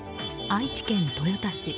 愛知県豊田市。